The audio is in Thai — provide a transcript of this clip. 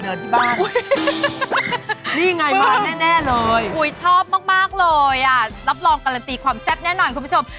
อุ๊ยเห็นไงมาแน่เลยอุ๊ยชอบมากเลยอ่ะรับรองกราตรีความแซ่บ